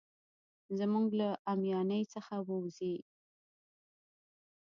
زموږ له اميانۍ څخه ووزي.